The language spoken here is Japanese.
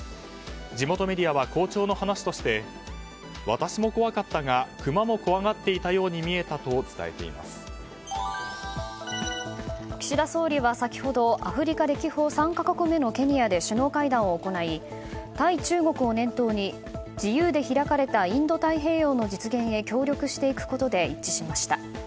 地元メディアは校長の話として私も怖かったがクマも怖がっていたように岸田総理は先ほどアフリカ歴訪３か国目のケニアで首脳会談を行い、対中国を念頭に自由で開かれたインド太平洋の実現へ協力していくことで一致しました。